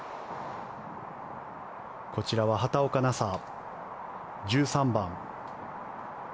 こちらは畑岡奈紗１３番。